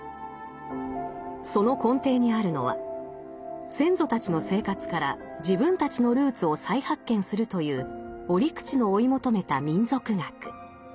その根底にあるのは先祖たちの生活から自分たちのルーツを再発見するという折口の追い求めた民俗学。